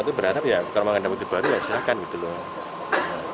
itu berharap ya kalau memang ada motif baru ya silahkan gitu loh